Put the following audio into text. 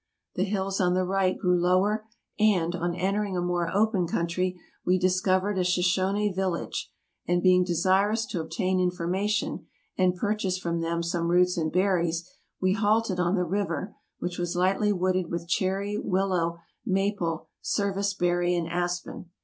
The hills on the right grew lower, and, on entering a more open country, we discovered a Shoshonee village; and being desirous to obtain information, and purchase from them some roots and berries, we halted on the river, which was lightly wooded with cherry, willow, maple, service berry, and aspen.